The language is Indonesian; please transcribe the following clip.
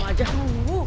udah sama sama aja